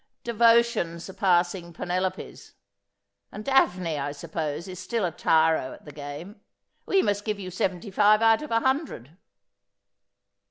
' Devotion surpassing Penelope's. And Daphne, I suppose, is still a tyro at the game. We must give you seventy five out of a hundred.'